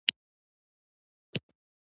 ملګری دې غوره کړه، چای دې ښه تود کړه!